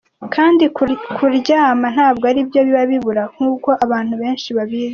kandi kuryama ntabwo aribyo biba bibura nkuko abantu benshi babizi.